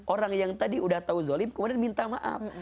orang yang tadi udah tahu zolim kemudian minta maaf